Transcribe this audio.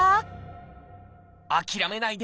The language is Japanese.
諦めないで！